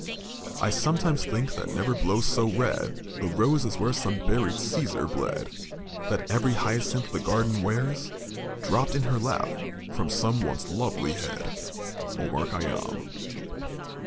I sometimes think that never blows so red The rose as where some buried Cæsar bled; That every hyacinth the garden wears Dropt in her lap from some once lovely head. _Omar Khayyam.